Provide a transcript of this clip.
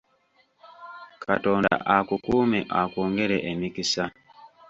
Katonda akukuume akwongere emikisa